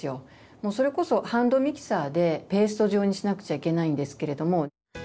もうそれこそハンドミキサーでペースト状にしなくちゃいけないんですけれども。